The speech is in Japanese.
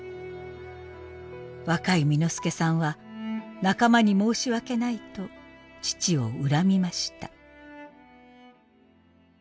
若い簑助さんは仲間に申し訳ないと父を恨みました。